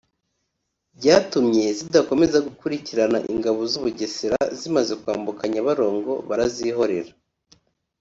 byatumye zidakomeza gukurikirana Ingabo z’u Bugesera zimaze kwambuka Nyabarongo barazihorera